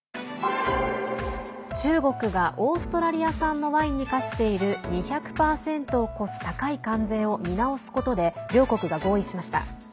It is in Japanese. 中国がオーストラリア産のワインに課している２００％を超す高い関税を見直すことで両国が合意しました。